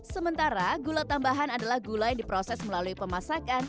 sementara gula tambahan adalah gula yang diproses melalui pemasakan